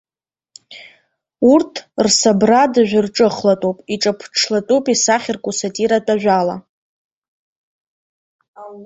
Урҭ рсабрадажә рҿыхлатәуп, иҿаԥҽлатәуп исахьарку сатиратә ажәала.